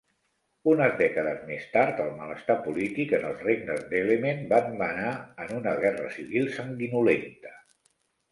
Unes dècades més tard, el malestar polític en els regnes d'Elemen van menar en una guerra civil sanguinolenta.